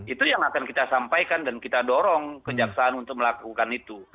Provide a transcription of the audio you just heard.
itu yang akan kita sampaikan dan kita dorong kejaksaan untuk melakukan itu